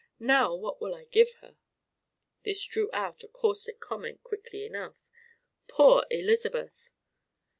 Now what will I give her?" This drew out a caustic comment quickly enough: "Poor Elizabeth!"